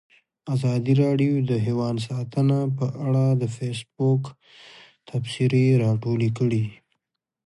ازادي راډیو د حیوان ساتنه په اړه د فیسبوک تبصرې راټولې کړي.